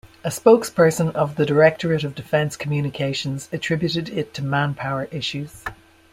A spokesperson of the Directorate of Defense Communications attributed it to manpower issues.